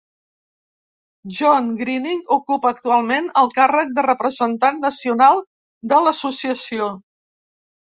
John Greening ocupa actualment el càrrec de representant nacional de l'associació.